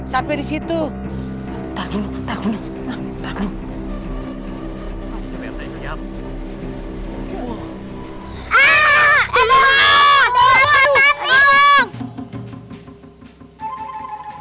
sampai di situ takut takut